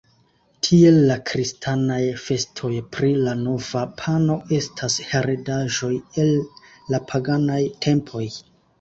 Tiel la kristanaj festoj pri la nova pano, estas heredaĵoj el la paganaj tempoj.